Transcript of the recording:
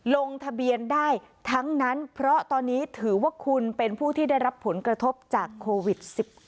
ลงทะเบียนได้ทั้งนั้นเพราะตอนนี้ถือว่าคุณเป็นผู้ที่ได้รับผลกระทบจากโควิด๑๙